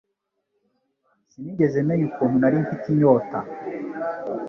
Sinigeze menya ukuntu nari mfite inyota